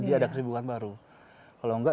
dia ada kesibukan baru kalau enggak